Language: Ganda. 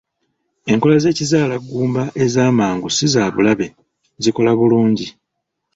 Enkola z'ekizaalaggumba ez'amangu si za bulabe, zikola bulungi.